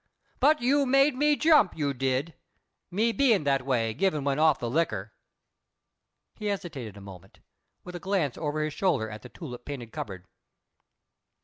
"But you made me jump, you did me being that way given when off the liquor." He hesitated a moment, with a glance over his shoulder at the tulip painted cupboard.